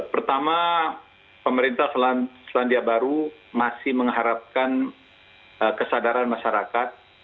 pertama pemerintah selandia baru masih mengharapkan kesadaran masyarakat